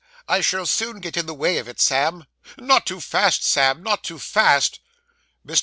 I shall soon get in the way of it, Sam. Not too fast, Sam; not too fast.' Mr.